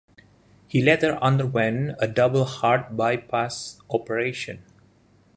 He later underwent a double heart bypass operation.